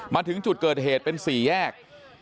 มาถึงจุดเกิดเหตุเป็น๔แยก